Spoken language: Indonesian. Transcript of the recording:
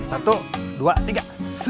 satu dua tiga